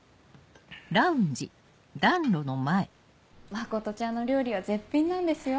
真ちゃんの料理は絶品なんですよ。